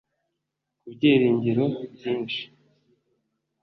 ku byiringiro byishi